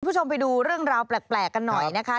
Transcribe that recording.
คุณผู้ชมไปดูเรื่องราวแปลกกันหน่อยนะคะ